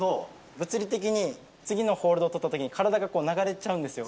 物理的に次のホールド取ったときに、体が流れちゃうんですよ。